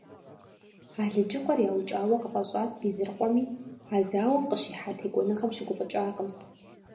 Алыджыкъуэр яукӏауэ къыфӏэщӏат Безрыкъуэми, а зауэм къыщихьа текӏуэныгъэм щыгуфӏыкӏакъым.